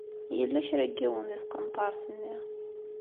Yella kra n yiwen di tqenṭaṛt-nni.